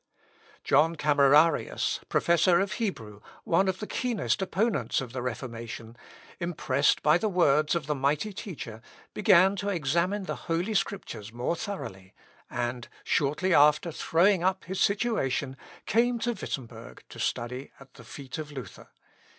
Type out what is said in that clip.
John Camerarius, professor of Hebrew, one of the keenest opponents of the Reformation, impressed by the words of the mighty teacher, began to examine the Holy Scriptures more thoroughly; and, shortly after throwing up his situation, came to Wittemberg to study at the feet of Luther.